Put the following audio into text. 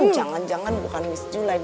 jangan jangan bukan miss julai